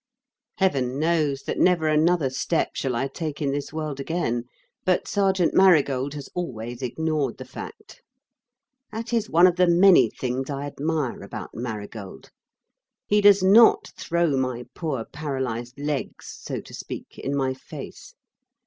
Heaven knows that never another step shall I take in this world again; but Sergeant Marigold has always ignored the fact. That is one of the many things I admire about Marigold. He does not throw my poor paralysed legs, so to speak, in my face.